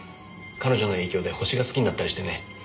彼女の影響で星が好きになったりしてね。